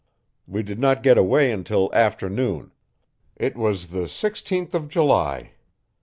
We did not get away until afternoon it was the 6th of July.